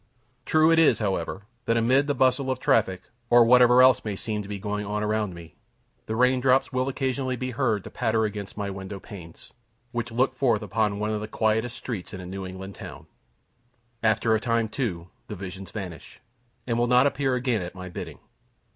True it is, however, that amid the bustle of traffic, or whatever else may seem to be going on around me, the rain drops will occasionally be heard to patter against my window panes, which look forth upon one of the quietest streets in a New England town. After a time, too, the visions vanish, and will not appear again at my bidding.